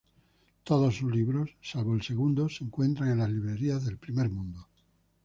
Todos sus libros, salvo el segundo, se encuentran en las librerías del primer mundo.